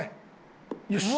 よし。